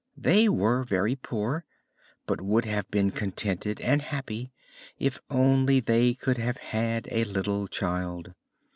They were very poor, but would have been contented and happy if only they could have had a little child.